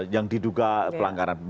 yang diduga pelanggaran